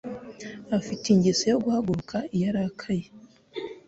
Afite ingeso yo guhaguruka iyo arakaye.